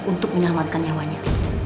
untuk menyelamatkan nyawanya